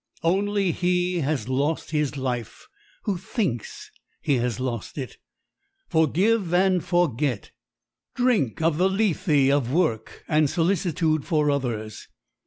_ Only he has lost his life who thinks he has lost it. Forgive and forget! Drink of the lethe of work and solicitude for others!